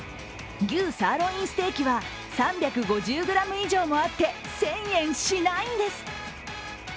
牛サーロインステーキは３５０ｇ以上もあって１０００円しないんです。